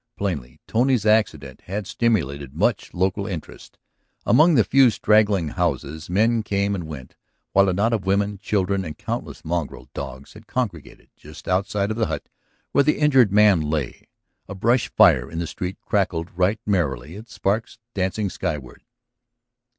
Plainly Tony's accident had stimulated much local interest; among the few straggling houses men came and went, while a knot of women, children, and countless mongrel dogs had congregated just outside of the hut where the injured man lay. A brush fire in the street crackled right merrily, its sparks dancing skyward.